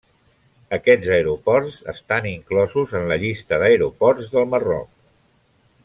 Aquests aeroports estan inclosos en la llista d'aeroports del Marroc.